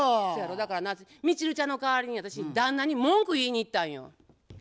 だからなミチルちゃんの代わりに私旦那に文句言いに行ったんよ。